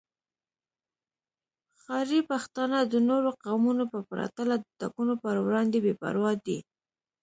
ښاري پښتانه د نورو قومونو په پرتله د ټاکنو پر وړاندې بې پروا دي